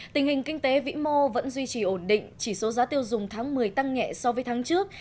tình hình kinh tế vĩ mô vẫn duy trì ổn định chỉ số giá tiêu dùng tháng một mươi tăng nhẹ so với tháng trước